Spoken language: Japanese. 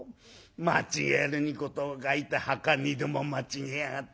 間違えるに事を欠いて墓２度も間違えやがった。